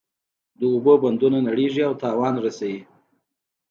د اوبو بندونه نړیږي او تاوان رسوي.